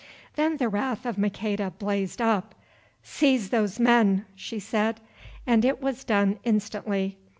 Then the wrath of Maqueda blazed up. "Seize those men!" she said, and it was done instantly.